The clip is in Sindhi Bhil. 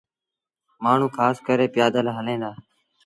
مآڻهوٚٚݩ کآس ڪري پيٚآدل هليݩ دآ۔